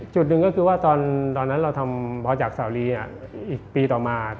จุดหนึ่งก็คือว่าตอนนั้นเราทำพอจากสาวลีอีกปีต่อมา